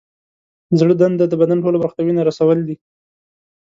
د زړه دنده د بدن ټولو برخو ته وینه رسول دي.